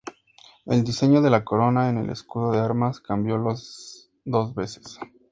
El diseño de la Corona en el escudo de armas cambió dos veces.